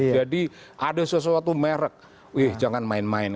jadi ada sesuatu merek wih jangan main main